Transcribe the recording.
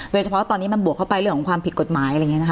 โดยเฉพาะว่าตอนนี้มันบวกเข้าไปเรื่องของความผิดกฎหมาย